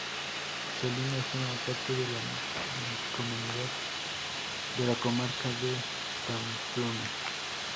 Salinas forma parte de la Mancomunidad de la Comarca de Pamplona.